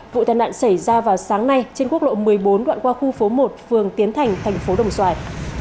vụ tàn nạn xảy ra vào sáng nay trên quốc lộ một mươi bốn đoạn qua khu phố một phường tiến thành thành phố đồng xoài